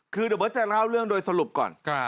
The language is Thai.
คือเดี๋ยวเบิร์ตจะเล่าเรื่องโดยสรุปก่อน